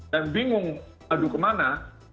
yang bingung adu kemana